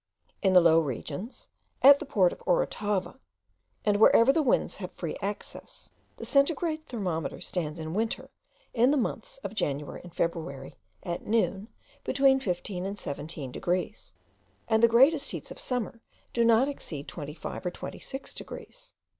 In the low regions, at the port of Orotava, and wherever the winds have free access, the centigrade thermometer stands in winter, in the months of January and February, at noon, between fifteen and seventeen degrees; and the greatest heats of summer do not exceed twenty five or twenty six degrees.